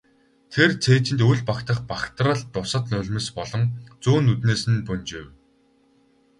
Тэр цээжинд үл багтах багтрал дусал нулимс болон зүүн нүднээс нь бөнжийв.